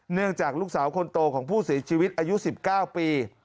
เนื่องจากลูกสาวคนโตของผู้เสียชีวิตอายุ๑๙ปี